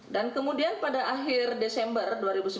dan kemudian pada akhir desember dua ribu sembilan belas